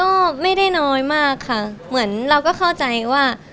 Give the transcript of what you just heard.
ก็ไม่ได้น้อยมากค่ะเหมือนเราก็เข้าใจว่า